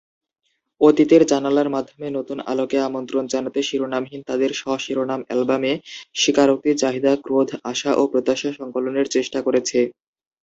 অতীতের জানালার মাধ্যমে নতুন আলোকে আমন্ত্রণ জানাতে শিরোনামহীন তাদের স্ব-শিরোনাম অ্যালবামে স্বীকারোক্তি, চাহিদা, ক্রোধ, আশা এবং প্রত্যাশা সংকলনের চেষ্টা করেছে।